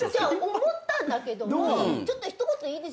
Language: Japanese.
思ったんだけどもちょっと一言いいですか？